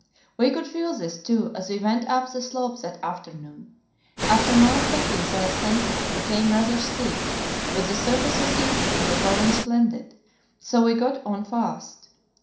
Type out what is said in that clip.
We could feel this, too, as we went up the slope that afternoon. After Mount Betty the ascent became rather steep, but the surface was even, and the going splendid, so we got on fast.